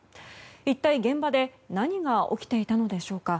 一体、現場で何が起きていたのでしょうか。